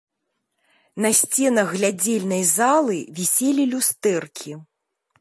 На сценах глядзельнай залы віселі люстэркі.